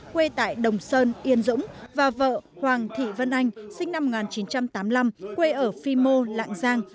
quê tại đồng sơn yên dũng và vợ hoàng thị vân anh sinh năm một nghìn chín trăm tám mươi năm quê ở phi mô lạng giang